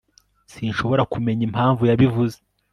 sinshobora kumenya impamvu yabivuze